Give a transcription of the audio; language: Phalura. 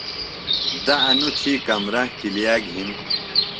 دہ انوۡ تھی کمرہ ۔کِلیہ گھِن۔